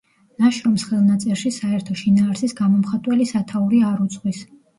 ნაშრომს ხელნაწერში საერთო შინაარსის გამომხატველი სათაური არ უძღვის.